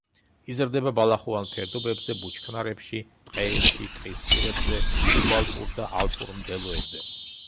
იზრდება ბალახოვან ფერდობებზე, ბუჩქნარებში, ტყეებში, ტყის პირებზე, სუბალპურ და ალპურ მდელოებზე.